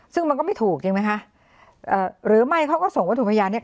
ซึ่งมันก็ไม่ถูกจริงไหมคะหรือไม่เขาก็ส่งวัตถุพยานเนี้ย